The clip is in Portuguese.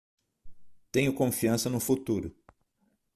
Tenho confiança no futuro